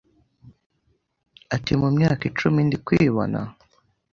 Ati Mumyaka icumi ndi kwibona